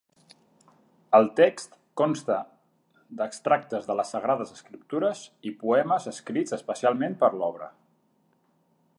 El text consta d'extractes de les Sagrades Escriptures i poemes escrits especialment per l'obra.